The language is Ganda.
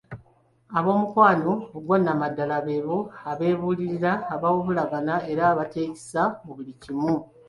Ab'omukwano ogwannamaddala beebo abeebuulirira, abawabulagana era abateekisa mu buli kimu.